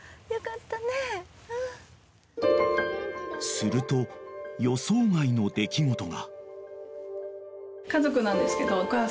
［すると予想外の出来事が］